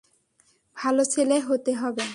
ভালো ছেলে হতে হবে।